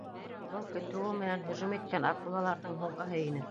Был көтөүе менән һөжүм иткән акулаларҙың һуңғыһы ине.